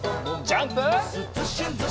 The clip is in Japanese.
ジャンプ！